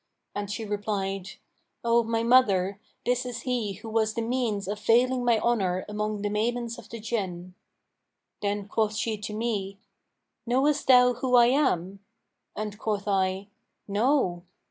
and she replied, 'O my mother, this is he who was the means of veiling my honour[FN#528] among the maidens of the Jinn.' Then quoth she to me, 'Knowest thou who I am?'; and quoth I, 'No.'